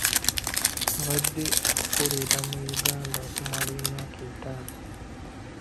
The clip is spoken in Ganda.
Abadde akolerera mu Uganda okumala emyaka etaano.